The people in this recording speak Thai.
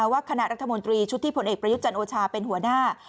ว่าคณะรัฐมนตรีชุดที่ผลเอกประยุทธ์จันทร์โอชาเป็นหัวหน้า